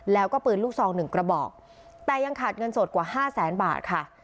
แล้วก็ปืนลูกซองหนึ่งกระบอกแต่ยังขาดเงินสดกว่าห้าแสนบาทค่ะ